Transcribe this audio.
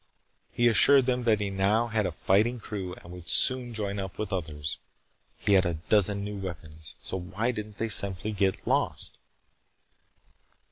He assured them that he now had a fighting crew and would soon join up with others. He had a dozen new weapons. So why didn't they simply get lost?